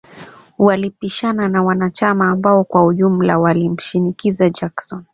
Walipishana na wanachama ambao kwa ujumla walimshinikiza Jackson